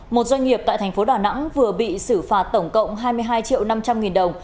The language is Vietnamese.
một doanh nghiệp tại thành phố đà nẵng vừa bị xử phạt tổng cộng hai mươi hai triệu năm trăm linh nghìn đồng